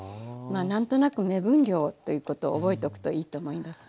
何となく目分量ということを覚えとくといいと思います。